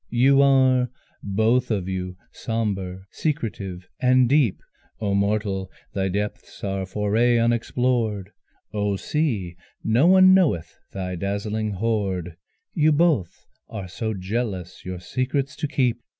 You are both of you, sombre, secretive and deep: Oh mortal, thy depths are foraye unexplored, Oh sea no one knoweth thy dazzling hoard, You both are so jealous your secrets to keep!